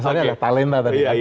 asalnya adalah talenta tadi